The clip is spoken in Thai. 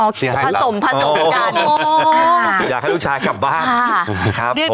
ผสมผสมกันอยากให้ลูกชายกลับบ้าน